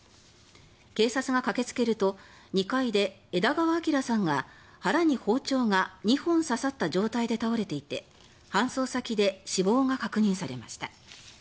警察が駆けつけると２階で枝川明さんが腹に包丁が２本刺さった状態で倒れていて搬送先で死亡が確認されました。